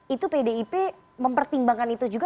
itu pdip mempertimbangkan itu juga